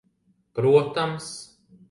Protams.